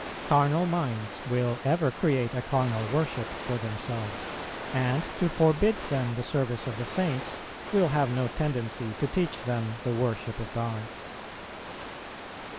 Carnal minds will ever create a carnal worship for themselves; and to forbid them the service of the Saints will have no tendency to teach them the worship of God.